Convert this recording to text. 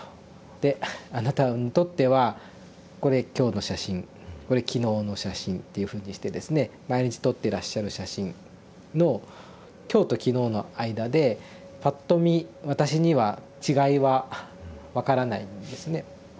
で「あなたにとってはこれ今日の写真これ昨日の写真」っていうふうにしてですね毎日撮っていらっしゃる写真の今日と昨日の間でぱっと見私には違いは分からないんですね。